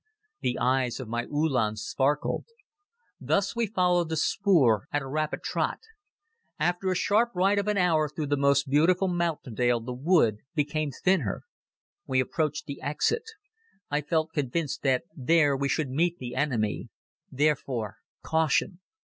The eyes of my Uhlans sparkled. Thus we followed the spoor at a rapid trot. After a sharp ride of an hour through the most beautiful mountaindale the wood became thinner. We approached the exit. I felt convinced that there we should meet the enemy. Therefore, caution!